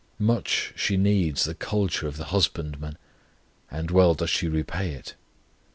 Much she needs the culture of the Husbandman, and well does she repay it.